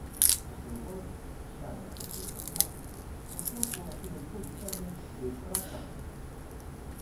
O seu gol, xa na compensación, contou coa axuda involuntaria de Fran Gámez.